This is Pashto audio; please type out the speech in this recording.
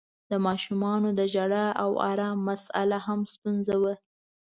د ماشومانو د ژړا او آرام مسآله هم ستونزه وه.